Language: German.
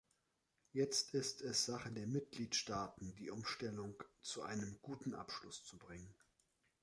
Jetzt ist es Sache der Mitgliedstaaten, die Umstellung zu einem guten Abschluss zu bringen.